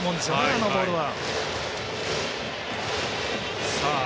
あのボールは。